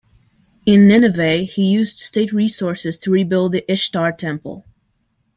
In Nineveh he used state resources to rebuild the Ishtar temple.